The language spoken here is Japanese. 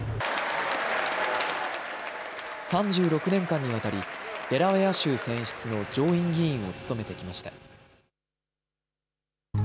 ３６年間にわたりデラウェア州選出の上院議員を務めてきました。